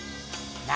何？